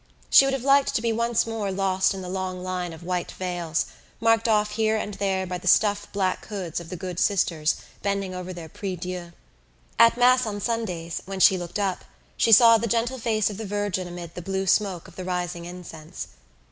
She would have liked to be once more lost in the long line of white veils, marked off here and there by the stuff black hoods of the good sisters bending over their prie Dieu. At mass on Sundays, when she looked up, she saw the gentle face of the Virgin amid the blue smoke of the rising incense.